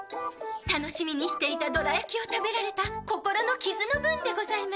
楽しみにしていたドラ焼きを食べられた心の傷の分でございます。